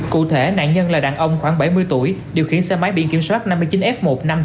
cụ thể nạn nhân là đàn ông khoảng bảy mươi tuổi điều khiển xe máy biển kiểm soát năm mươi chín f một năm nghìn chín trăm tám mươi